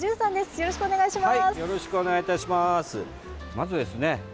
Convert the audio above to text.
よろしくお願いします。